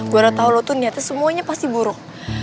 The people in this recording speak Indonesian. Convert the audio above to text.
gue udah tau lo tuh niatnya semuanya pasti buruk